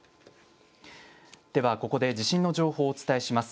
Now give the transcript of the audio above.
ではここで、地震の情報をお伝えします。